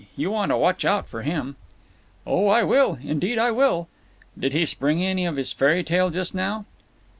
You want to watch out for him." "Oh, I will; indeed I will—" "Did he spring any of this fairy tale just now?"